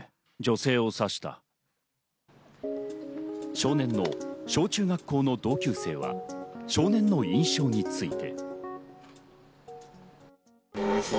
少年の小中学校の同級生は、少年の印象について。